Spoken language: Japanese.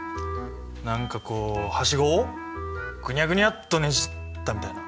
何かこうはしごをグニャグニャッとねじったみたいな。